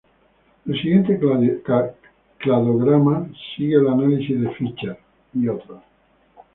El siguiente cladograma sigue el análisis de Fischer "et al.